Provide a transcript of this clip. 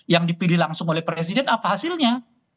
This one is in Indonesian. yang dipilih langsung oleh presiden apa hasilnya